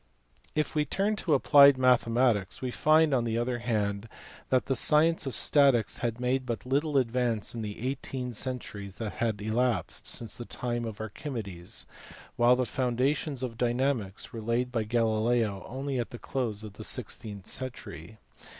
If we turn to applied mathematics we find on the other hand that the science of statics had made but little advance in the eighteen centuries that had elapsed since the time of Archimedes, while the foundations of dynamics were laid by Galileo only at the close of the sixteenth century.